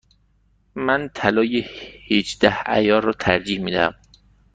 من طلای هجده عیار را ترجیح می دهم.